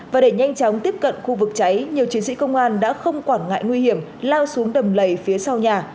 và để nhanh chóng tiếp cận khu vực cháy nhiều chiến sĩ công an đã không quản ngại nguy hiểm lao xuống đầm lầy phía sau nhà